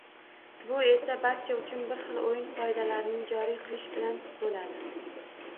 Bu esa barcha uchun bir xil o‘yin qoidalarini joriy qilish bilan bo‘ladi